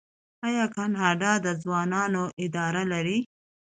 آیا کاناډا د ځوانانو اداره نلري؟